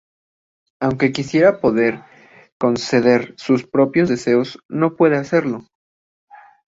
Aunque quisiera poder conceder sus propios deseos no puede hacerlo.